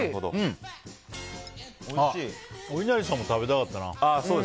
おいなりさんも食べたかったな。